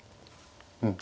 うん。